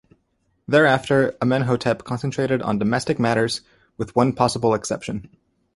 Thereafter, Amenhotep concentrated on domestic matters, with one possible exception.